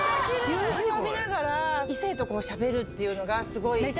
夕日を浴びながら異性としゃべるっていうのが。